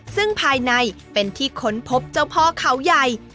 ซึ่งภายในเป็นที่ค้นพบเจ้าพ่อเขาใหญ่